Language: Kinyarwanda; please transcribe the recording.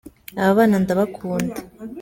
Aba bana ndabakunda